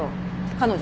彼女